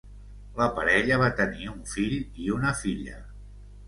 La parella va tenir un fill i una filla.